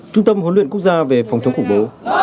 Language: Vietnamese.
trung tâm huấn luyện quốc gia về phòng chống khủng bố